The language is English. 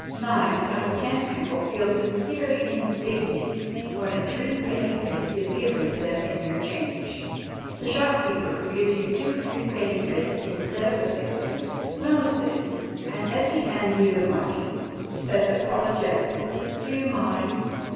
Nine out of ten people feel sincerely indignant when a threepenny bit is given to them in their change. The shopkeeper who gives you two threepenny bits instead of a sixpence knows this and, as he hands you the money, says apologetically: "Do you mind?"